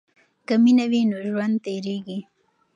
که مینه وي نو ژوند تیریږي.